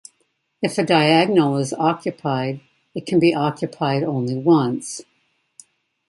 If a diagonal is occupied, it can be occupied only once.